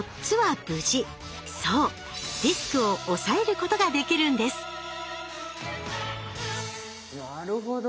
そうリスクを抑えることができるんですなるほど。